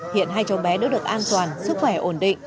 hiện hai cháu bé đã được an toàn sức khỏe ổn định